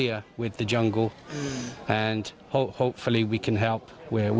หวังว่าเราจะช่วย